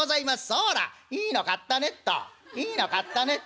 「そらいいの買ったねっといいの買ったねっと」。